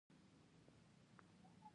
آن د کلي سپيانو د خوښۍ غپا کوله.